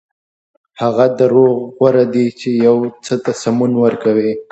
هغه دروغ غوره دي چې یو څه ته سمون ورکوي.